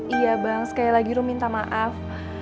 iya bang sekali lagi ru minta maaf